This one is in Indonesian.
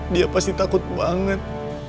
dia pasti takut banget